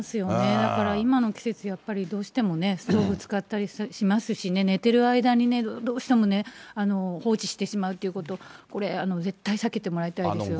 だから今の季節、やっぱり、どうしてもね、ストーブ使ったりしますしね、寝てる間に、どうしてもね、放置してしまうっていうこと、これ、絶対避けてもらいたいですよね。